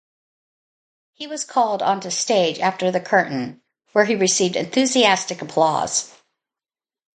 He was called onto stage after the curtain, where he received enthusiastic applause.